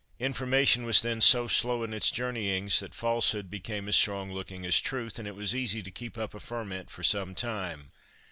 Information was then so slow in its journeyings that falsehood became as strong looking as truth, and it was easy to keep up a ferment for some time.